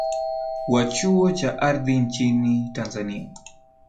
wa chuo cha ardhi nchini tanzania